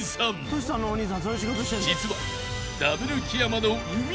［実は］